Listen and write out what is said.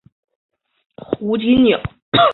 胡锦鸟。